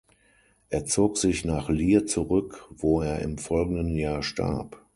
Er zog sich nach Lier zurück, wo er im folgenden Jahr starb.